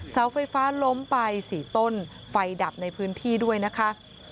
เสาไฟฟ้าล้มไป๔ต้นไฟดับในพื้นที่ด้วยนะคะ